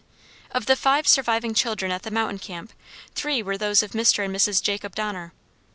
Of the five surviving children at the mountain camp, three were those of Mr. and Mrs. Jacob Donner.